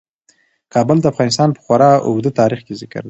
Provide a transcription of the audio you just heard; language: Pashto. کابل د افغانستان په خورا اوږده تاریخ کې ذکر دی.